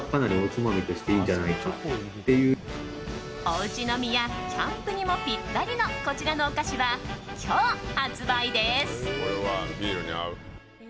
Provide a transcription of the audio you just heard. おうち飲みやキャンプにもピッタリのこちらのお菓子は、今日発売です。